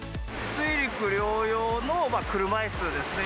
水陸両用の車いすですね。